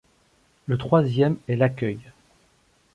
Le troisième est l’accueil.